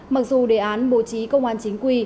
mặc dù đề án bố trí công an chính quy